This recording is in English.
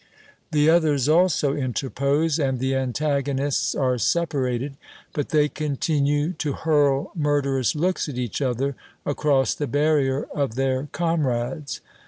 The others also interpose, and the antagonists are separated, but they continue to hurl murderous looks at each other across the barrier of their comrades.